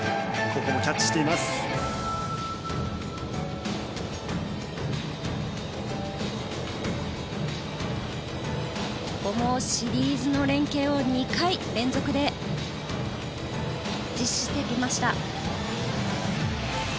ここもシリーズの連係を２回連続で実施してきました。